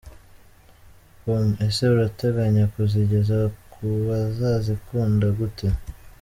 com: Ese urateganya kuzigeza kubazazikunda gute?.